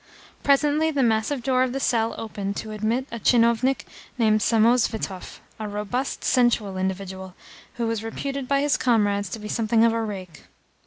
Presently the massive door of the cell opened to admit a tchinovnik named Samosvitov, a robust, sensual individual who was reputed by his comrades to be something of a rake.